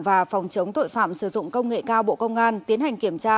và phòng chống tội phạm sử dụng công nghệ cao bộ công an tiến hành kiểm tra